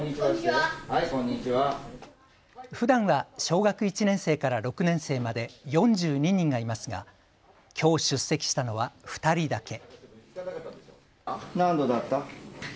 ふだんは小学１年生から６年生まで４２人がいますがきょう出席したのは２人だけ。